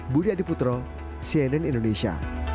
budi adiputro cnn indonesia